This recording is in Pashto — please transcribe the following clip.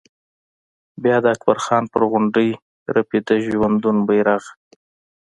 بیا د اکبر خان پر غونډۍ رپي د ژوندون بيرغ